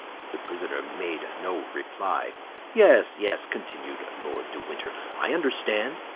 The prisoner made no reply. "Yes, yes," continued Lord de Winter, "I understand.